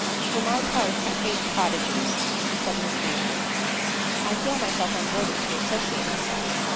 " For my part, I hate prodigies" said Miss Maynard :" I feel myself unworthy to associate with them."